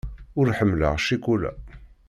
Ur ḥemmleɣ ccikula.